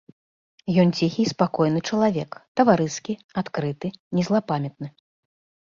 Ён ціхі і спакойны чалавек, таварыскі, адкрыты, незлапамятны.